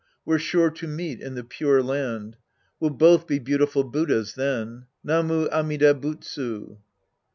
We're sure to meet in the Pure Land. We'll both be beautiful Buddhas then. Namu Amida Butsu."